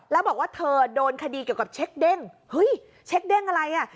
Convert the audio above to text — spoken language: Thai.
แล้วบอกว่าเธอโดนคดีเกี่ยวกับเช็คเด้งเฮ้ยเช็คเด้งอะไรอ่ะ